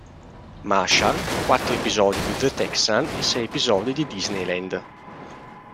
Marshal", quattro episodi di "The Texan" e sei episodi di "Disneyland".